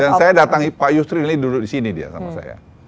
dan saya datang pak yusri ini duduk disini dia sama saya